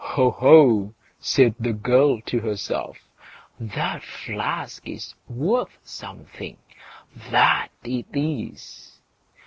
"Ho! ho!" said the girl to herself; "that flask is worth something—that it is."